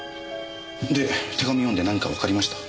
で手紙読んで何かわかりました？